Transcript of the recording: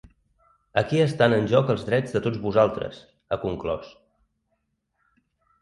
Aquí estan en joc els drets de tots vosaltres, ha conclòs.